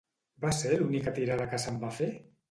Va ser l'única tirada que se'n va fer?